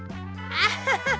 アハハハ